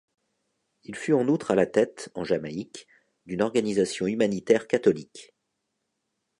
Il fut en outre à la tête, en Jamaïque, d'une organisation humanitaire catholique.